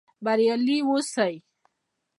بریالي اوسئ؟